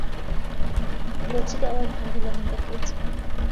بۆچی داوای پارە لە من دەکەیت؟